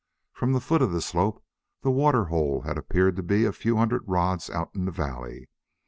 From the foot of the slope the water hole had appeared to be a few hundred rods out in the valley.